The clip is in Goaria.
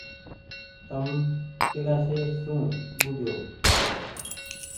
تم ڪيلآشي سون ٻوجو ۔